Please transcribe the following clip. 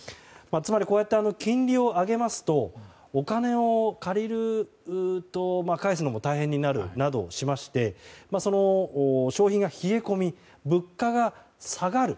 つまりこうやって金利を上げますとお金を借りると返すのも大変になるなどしまして消費が冷え込み、物価が下がる。